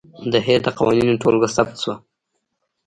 د هیر د قوانینو ټولګه ثبت شوه.